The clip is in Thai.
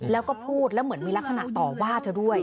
แล้วก็พูดแล้วเหมือนมีลักษณะต่อว่าเธอด้วย